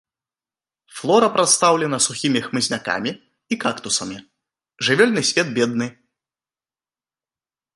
Флора прадстаўлена сухімі хмызнякамі і кактусамі, жывёльны свет бедны.